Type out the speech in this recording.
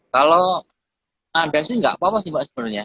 kalau biasanya gak apa apa sih sebenarnya